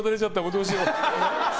どうしよう。